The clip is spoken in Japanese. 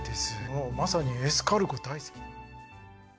もうまさにエスカルゴ大好き。